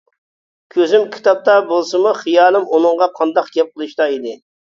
كۆزۈم كىتابتا بولسىمۇ خىيالىم ئۇنىڭغا قانداق گەپ قىلىشتا ئىدى.